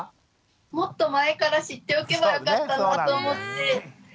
もっと前から知っておけばよかったなと思って。